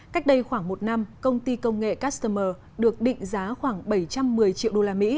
cách đây khoảng một năm công ty công nghệ customer được định giá khoảng bảy trăm một mươi triệu usd